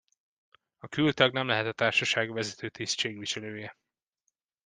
A kültag nem lehet a társaság vezető tisztségviselője.